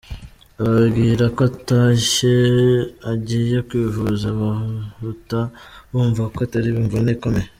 ababwira ko atashye agiye kwivuza bahuta bumva ko atari imvune ikomeye.